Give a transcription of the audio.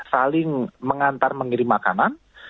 saling mengantar mengirim makanan